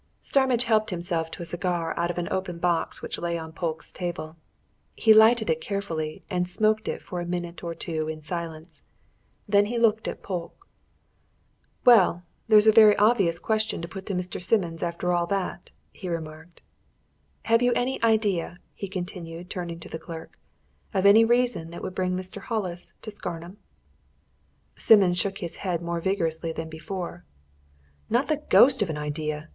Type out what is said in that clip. Starmidge helped himself to a cigar out of an open box which lay on Polke's table. He lighted it carefully, and smoked for a minute or two in silence. Then he looked at Polke. "Well, there's a very obvious question to put to Mr. Simmons after all that," he remarked. "Have you any idea," he continued, turning to the clerk, "of any reason that would bring Mr. Hollis to Scarnham?" Simmons shook his head more vigorously than before. "Not the ghost of an idea!"